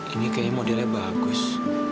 ini kayaknya modelnya bagus